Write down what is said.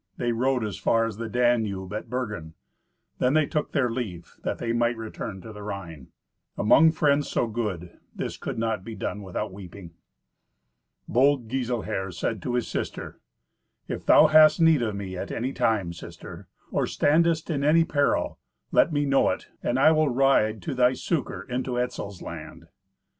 They rode as far as the Danube at Bergen; then they took their leave, that they might return to the Rhine. Among friends so good, this could not be done without weeping. Bold Giselher said to his sister, "If thou hast need of me at any time, sister, or standest in any peril, let me know it, and I will ride to thy succour into Etzel's land."